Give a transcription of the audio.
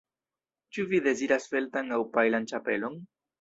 Ĉu vi deziras feltan aŭ pajlan ĉapelon?